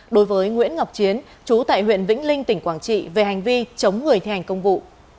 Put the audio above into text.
đối với nguyễn ngọc chiến chú tại huyện vĩnh linh tỉnh quảng trị về hành vi chống người thi hành công vụ